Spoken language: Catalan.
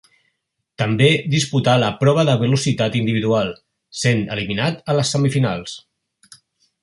També disputà la prova de velocitat individual, sent eliminat a les semifinals.